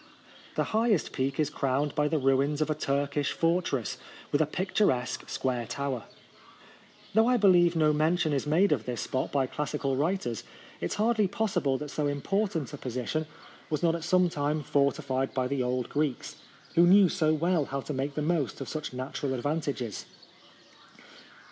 The highest peak is crowned by the ruins of a Turkish fortress, with a picturesque square tower. Though I believe no mention is made of this spot by classical writers, it is hardly possible that so important a position was not at some time forti fied by the old Greeks, who knew so well how to make the most of such natural advantages.